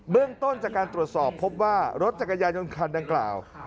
เรื่องต้นจากการตรวจสอบพบว่ารถจักรยานยนต์คันดังกล่าว